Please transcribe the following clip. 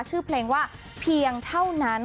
ชื่อเพลงว่าเพียงเท่านั้น